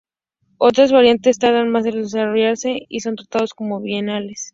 Otras variedades tardan más en desarrollarse y son tratados como bienales.